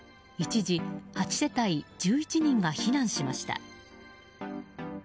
一時８世帯１１人が避難しました。